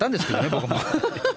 僕も。